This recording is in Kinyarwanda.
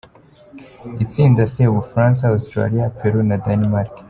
Itsinda C: U Bufaransa, Australie, Peru, Danemark .